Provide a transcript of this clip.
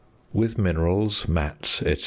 With minerals, mattes, &c.